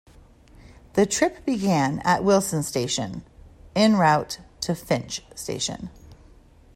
That trip began at Wilson station en route to Finch station.